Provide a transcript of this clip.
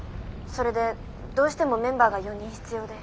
それでどうしてもメンバーが４人必要で。